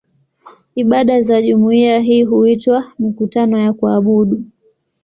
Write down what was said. Ibada za jumuiya hii huitwa "mikutano ya kuabudu".